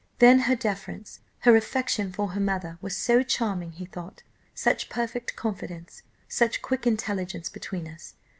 Then her deference her affection for her mother, was so charming, he thought; such perfect confidence such quick intelligence between us.